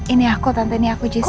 ini aku tante ini aku jessi